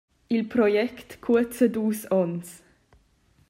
Il project cuoza dus onns.